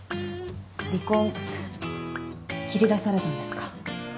離婚切り出されたんですか。